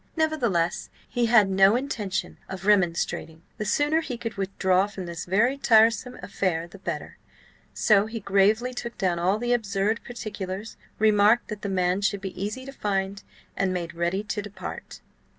Nevertheless, he had no intention of remonstrating; the sooner he could withdraw from this very tiresome affair the better. So he gravely took down all the absurd particulars, remarked that the man should be easy to find, and made ready to depart.